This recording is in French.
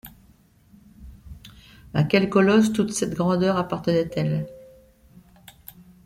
À quel colosse toute cette grandeur appartenait-elle?